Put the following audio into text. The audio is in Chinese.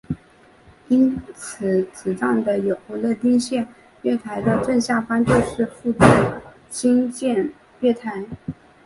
因此此站的有乐町线月台的正下方就是副都心线月台。